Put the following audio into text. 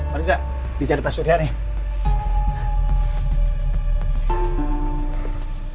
pak riza bisa di pasur dia nih